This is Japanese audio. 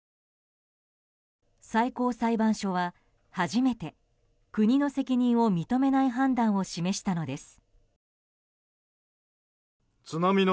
最高裁判所は初めて国の責任を認めない判断を示したのです。